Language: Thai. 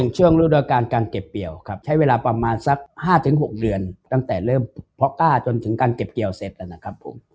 ช่วงฤดูการการเก็บเกี่ยวครับใช้เวลาประมาณสัก๕๖เดือนตั้งแต่เริ่มพอก้าจนถึงการเก็บเกี่ยวเสร็จนะครับผม